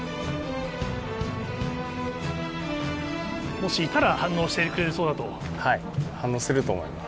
もしいたら、反応してくれそ反応すると思います。